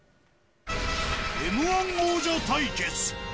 Ｍー１王者対決。